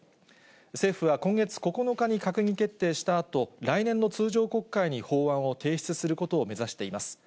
政府は今月９日に閣議決定したあと、来年の通常国会に法案を提出することを目指しています。